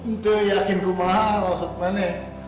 nggak yakin ku mah maksud mana